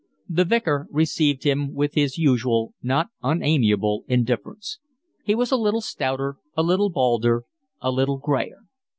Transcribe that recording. The Vicar received him with his usual, not unamiable indifference. He was a little stouter, a little balder, a little grayer.